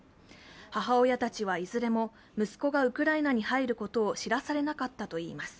母親たちはいずれも息子がウクライナに入ることを知らされなかったといいます。